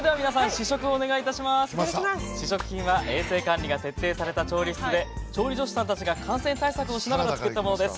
試食品は衛生管理が徹底された調理室で調理助手さんたちが感染対策をしながら作ったものです。